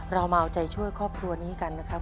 เรามาเอาใจช่วยครอบครัวนี้กันนะครับ